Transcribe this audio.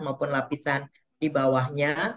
maupun lapisan di bawahnya